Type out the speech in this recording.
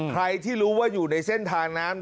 ใครที่รู้ว่าอยู่ในเส้นทางนั้น